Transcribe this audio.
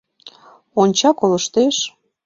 Онча, колыштеш.